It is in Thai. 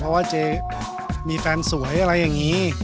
เพราะว่าเจ๊มีแฟนสวยอะไรอย่างนี้